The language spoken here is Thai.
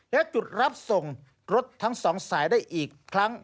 และจุดรับส่งรถทั้งสองสายได้อีกครั้ง